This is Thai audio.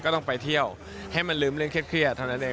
ต้องไปเที่ยวให้มันลืมเรื่องเครียดเท่านั้นเอง